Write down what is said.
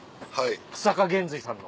久坂玄瑞さんの。